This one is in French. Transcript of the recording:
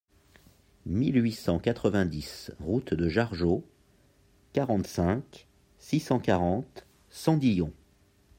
mille huit cent quatre-vingt-dix route de Jargeau, quarante-cinq, six cent quarante, Sandillon